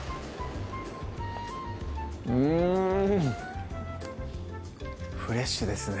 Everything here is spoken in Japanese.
うんフレッシュですね